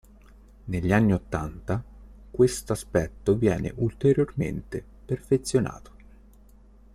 Negli anni Ottanta questo aspetto viene ulteriormente perfezionato.